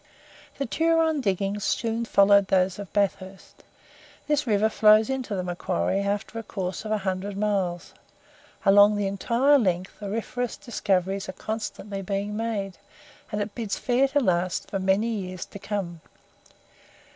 The Turon diggings soon followed those of Bathurst. This river flows into the Macquarie after a course of a hundred miles. Along the entire length auriferous discoveries are constantly being made, and it bids fair to last for many years to come.